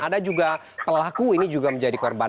ada juga pelaku ini juga menjadi korban